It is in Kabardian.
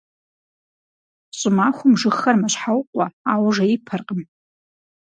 ЩӀымахуэм жыгхэр «мэщхьэукъуэ», ауэ жеипэркъым.